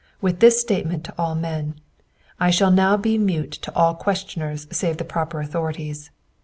"With this statement to all men, I shall now be mute to all questioners save the proper authorities.